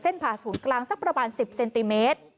เส้นผ่าสูตรกลางสักประมาณ๑๐เซนติเมตร